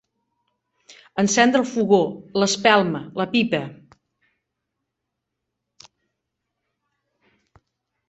Encendre el fogó, l'espelma, la pipa.